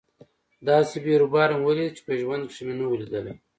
داسې بيروبار مې وليد چې په ژوند کښې مې نه و ليدلى.